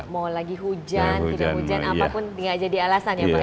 mau lagi hujan tidak hujan apapun tidak jadi alasan ya pak ya